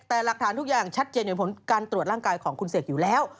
แต่หลักฐานทุกอย่างชัดเจนอยู่ผลการตรวจร่างกายของคุณเสกอยู่แล้ว